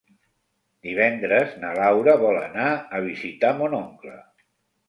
Divendres na Laura vol anar a visitar mon oncle.